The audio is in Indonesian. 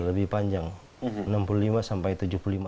lebih panjang enam puluh lima sampai tujuh puluh lima